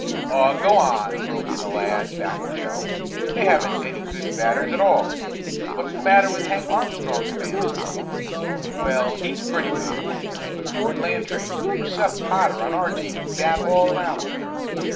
"Aw, go on!" broke in a lad back of Joe. "They haven't any good batters at all." "What's the matter with Hank Armstrong?" demanded some one. "Well, he's pretty good, but Ford Lantry or Seth Potter on our team can bat all around him."